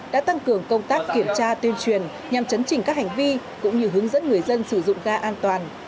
đã tăng cường công tác kiểm tra tuyên truyền nhằm chấn chỉnh các hành vi cũng như hướng dẫn người dân sử dụng ga an toàn